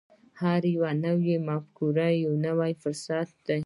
هره نوې مفکوره یو نوی فرصت دی.